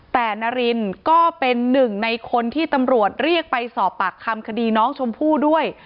แต่นารินก็เป็นหนึ่งในคนที่ตำรวจเรียกไปสอบปากคำคดีน้องชมพู่ด้วย